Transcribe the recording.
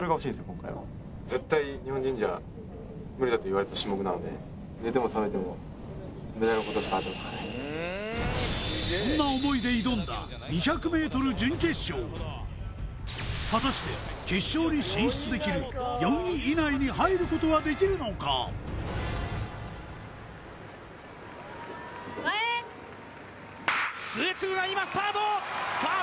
今回はなのでそんな思いで挑んだ果たして決勝に進出できる４位以内に入ることはできるのかＳｅｔ末續が今スタートさあ